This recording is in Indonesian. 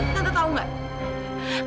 tante tahu nggak